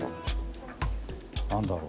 何だろう